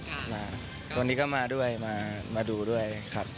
วันนี้ก็มาด้วยมาดูด้วยครับ